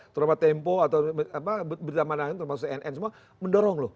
trauma tempo berita mandang mandang trauma cnn semua mendorong loh